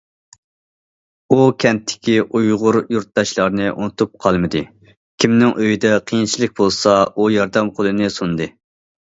ئۇ كەنتتىكى ئۇيغۇر يۇرتداشلارنى ئۇنتۇپ قالمىدى، كىمنىڭ ئۆيىدە قىيىنچىلىق بولسا، ئۇ ياردەم قولىنى سۇندى.